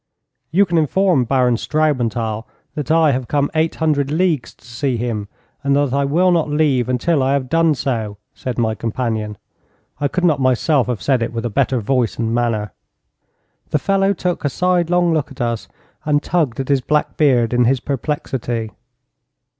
'You can inform Baron Straubenthal that I have come eight hundred leagues to see him, and that I will not leave until I have done so,' said my companion. I could not myself have said it with a better voice and manner. The fellow took a sidelong look at us, and tugged at his black beard in his perplexity.